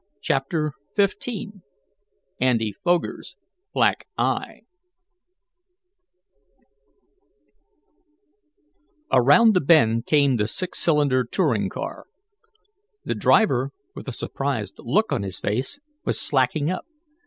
CHAPTER XV ANDY FOGER'S BLACK EYE Around the bend came the six cylinder touring car. The driver, with a surprised look on his face, was slacking up.